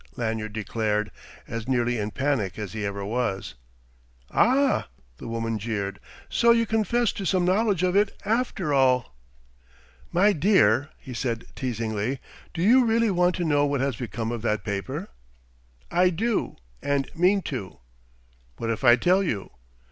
Lanyard declared, as nearly in panic as he ever was. "Ah!" the woman jeered. "So you confess to some knowledge of it after all!" "My dear," he said, teasingly, "do you really want to know what has become of that paper?" "I do, and mean to." "What if I tell you?"